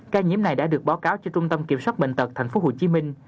ca nhiễm này đã được báo cáo cho trung tâm kiểm soát bệnh tật tp hcm